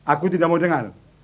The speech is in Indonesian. aku tidak mau dengar